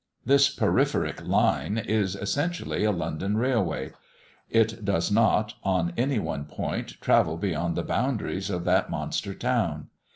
This peripheric line is essentially a London railway; it does not, on any one point, travel beyond the boundaries of that monster town.